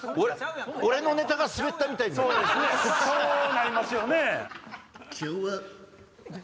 そうなりますよね。